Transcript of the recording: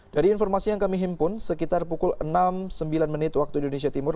dari informasi yang kami himpun sekitar pukul enam sembilan menit waktu indonesia timur